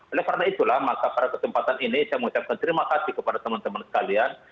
oleh karena itulah maka pada kesempatan ini saya mengucapkan terima kasih kepada teman teman sekalian